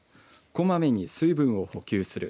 こまめに水分を補給する。